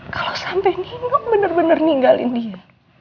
kalau sampai ninggok benar benar ninggalin dia